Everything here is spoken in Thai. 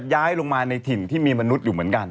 ย้ายลงมาในถิ่นที่มีมนุษย์อยู่เหมือนกัน